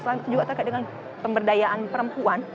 selain itu juga terkait dengan pemberdayaan perempuan